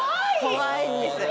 怖いんです